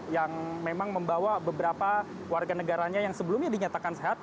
yang memang membawa beberapa warga negaranya yang sebelumnya dinyatakan sehat